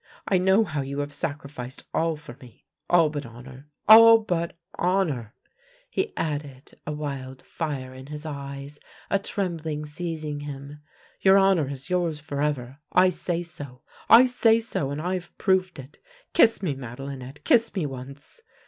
I know how you have sacrificed all for me — all but honour — all but honour !" he added, a wild fire in his eyes, a trem bling seizing him. " Your honour is yours forever. I say so. I say so, and I have proved it. Kiss me, Madelinette, kiss me once